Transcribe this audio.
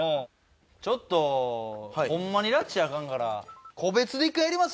ちょっとホンマにらち明かんから個別で１回やります？